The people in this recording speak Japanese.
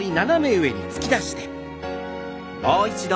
もう一度。